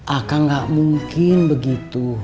akang gak mungkin begitu